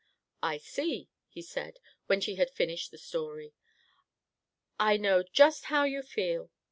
"I see," he said, when she had finished the story. "I know just how you feel.